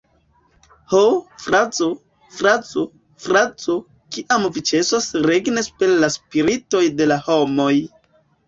Ho, frazo, frazo, frazo, kiam vi ĉesos regni super la spiritoj de la homoj!